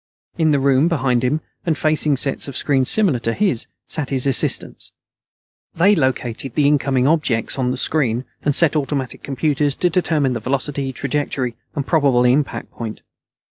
In the room, behind him, and facing sets of screens similar to his, sat his assistants. They located the incoming objects on the screen and set automatic computers to determining velocity, trajectory, and probable impact point.